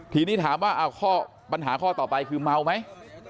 ทีนี้ถามว่าข้อปัญหาข้อต่อไปคือเมาไหม